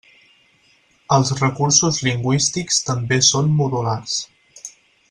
Els recursos lingüístics també són modulars.